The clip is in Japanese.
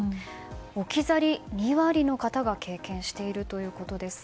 置き去り２割の方が経験しているということです。